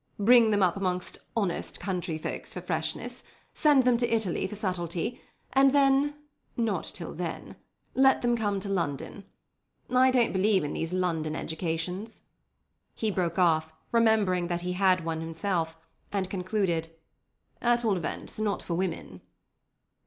Bring them up among honest country folks for freshness, send them to Italy for subtlety, and then—not till then—let them come to London. I don't believe in these London educations—" He broke off, remembering that he had had one himself, and concluded, "At all events, not for women."